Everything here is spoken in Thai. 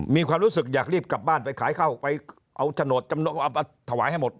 มีความรู้สึกอยากรีบกลับบ้านไปขายเข้าไปเอาโฉนดจำนกเอามาถวายให้หมด